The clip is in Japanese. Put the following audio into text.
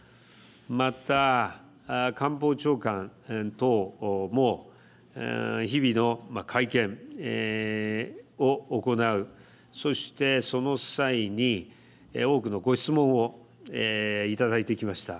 また、官房長官等も日々の会見を行う、そして、その際に多くのご質問をいただいてきました。